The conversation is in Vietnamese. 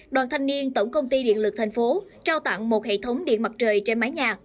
đoàn thanh niên tổng công ty điện lực thành phố trao tặng một hệ thống điện mặt trời trên mái nhà